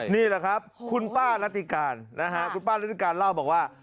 นี่แหละครับคุณป้ารัติการนะฮะคุณป้ารัติการเล่าบอกว่า